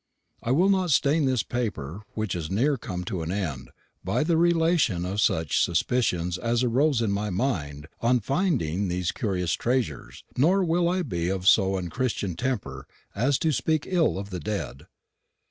I will not stain this paper, which is near come to an end, by the relation of such suspicions as arose in my mind on finding these curious treasures; nor will I be of so unchristian a temper as to speak ill of the dead.